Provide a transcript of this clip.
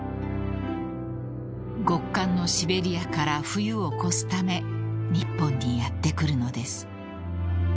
［極寒のシベリアから冬を越すため日本にやって来るのです］